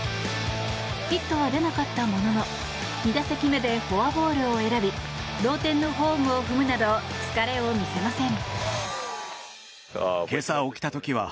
ヒットは出なかったものの２打席目でフォアボールを選び同点のホームを踏むなど疲れを見せません。